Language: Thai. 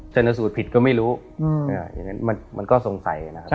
ชนสูตรผิดก็ไม่รู้อย่างนั้นมันก็สงสัยนะครับ